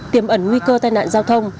tiếm ẩn nguy cơ tai nạn giao thông